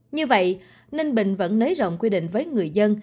như vậy ninh bình vẫn nới rộng quy định với người dân